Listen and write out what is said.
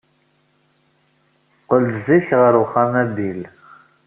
Qqel-d zik ɣer uxxam a Bill.